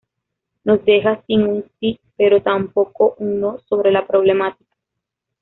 Nos deja sin un sí pero tampoco un no sobre la problemática.